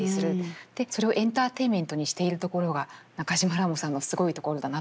でそれをエンターテインメントにしているところが中島らもさんのすごいところだなと思いました。